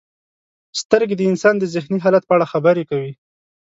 • سترګې د انسان د ذهني حالت په اړه خبرې کوي.